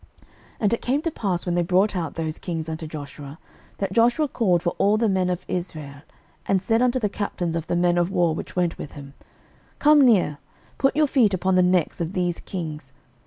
06:010:024 And it came to pass, when they brought out those kings unto Joshua, that Joshua called for all the men of Israel, and said unto the captains of the men of war which went with him, Come near, put your feet upon the necks of these kings.